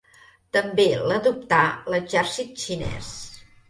També l'adoptà l'exèrcit xinès.